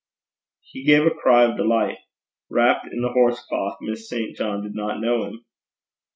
He gave a cry of delight. Wrapped in the horse cloth, Miss St. John did not know him.